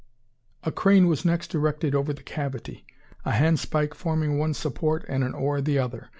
A crane was next erected over the cavity, a handspike forming one support and an oar the other.